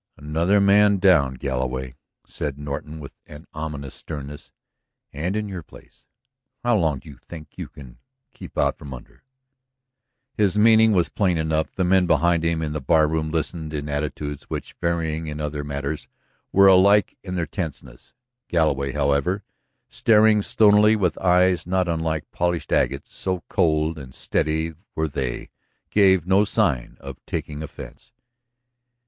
"Another man down, Galloway," said Norton with an ominous sternness. "And in your place. .. How long do you think that you can keep out from under?" His meaning was plain enough; the men behind him in the barroom listened in attitudes which, varying in other matters, were alike in their tenseness. Galloway, however, staring stonily with eyes not unlike polished agate, so cold and steady were they, gave no sign of taking offense.